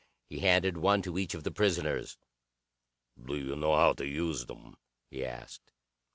He handed one to each of the prisoners. "Do you know how to use them?" he asked.